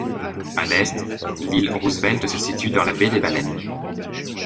À l’est, l'île Roosevelt se situe dans la baie des Baleines.